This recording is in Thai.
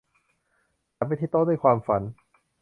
ฉันไปที่โต๊ะด้วยความฝัน